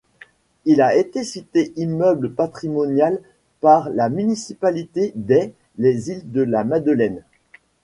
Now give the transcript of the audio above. Il a été cité immeuble patrimonial par la municipalité des Les Îles-de-la-Madeleine.